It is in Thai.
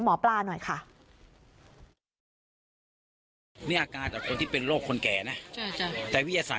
มันไล่ไม่ได้